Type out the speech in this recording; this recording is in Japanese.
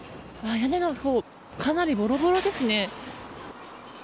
屋根のほうかなりボロボロですね。